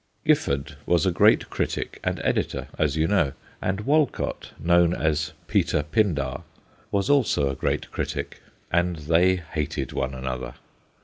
Giffbrd was A PAINFUL SCENE 257 a great critic and editor, as you know, and Wolcot, known as ' Peter Pindar/ was also a great critic, and they hated one another.